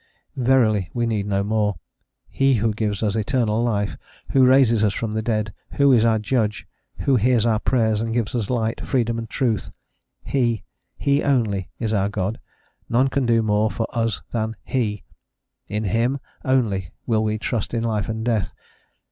Verily, we need no more: he who gives us eternal life, who raises us from the dead, who is our judge, who hears our prayers, and gives us light, freedom, and truth, He, He only, is our God; none can do more for us than he: in Him only will we trust in life and death.